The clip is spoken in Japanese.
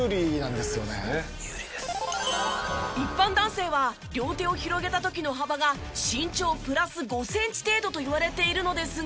一般男性は両手を広げた時の幅が身長プラス５センチ程度といわれているのですが。